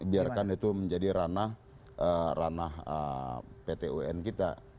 biarkan itu menjadi ranah pt un kita